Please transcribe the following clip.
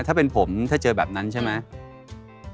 ถ้าเป็นผมถ้าเจอแบบนั้นใช่ไหม